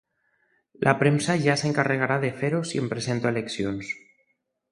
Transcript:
La premsa ja s'encarregarà de fer-ho si em presento a les eleccions.